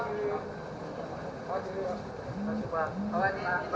udah gak apa apa saya aja